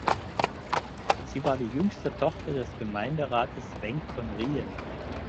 Sie war die jüngste Tochter des Gemeinderates Wenk von Riehen.